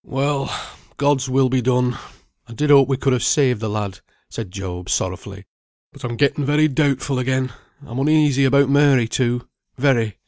"Well, God's will be done! I did hope we could have saved the lad," said Job, sorrowfully; "but I'm getten very doubtful again. I'm uneasy about Mary, too, very.